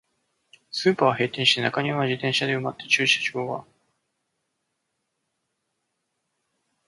スーパーは閉店して、中庭は自転車で埋まって、駐車場は住宅地になって、